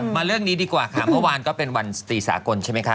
เรื่องนี้ดีกว่าค่ะเมื่อวานก็เป็นวันสตรีสากลใช่ไหมคะ